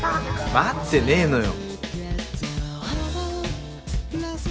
待ってねぇのよ。